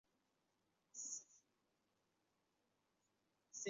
硅镁层是地球化学中指富含镁的硅酸盐矿物组成的地壳。